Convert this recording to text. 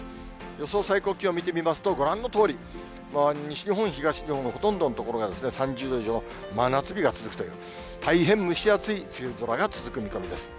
予想最高気温見てみますと、ご覧のとおり、西日本、東日本のほとんどの所が３０度以上、真夏日が続くという、大変蒸し暑い梅雨空が続く見込みです。